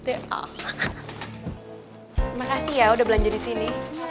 terima kasih ya udah belanja disini